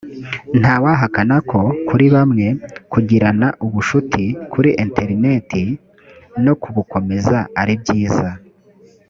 nta wahakana ko kuri bamwe kugirana ubucuti kuri interineti no kubukomeza aribyiza